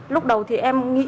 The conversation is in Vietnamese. lúc đầu thì em nghĩ